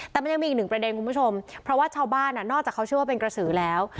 แต่มันยังมีอีกหนึ่งประเด็นคุณผู้ชมเพราะว่าชาวบ้านนอกจากเขาเชื่อว่าเป็นกระสือแล้ว